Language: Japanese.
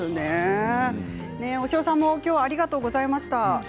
押尾さんもきょうはありがとうございました。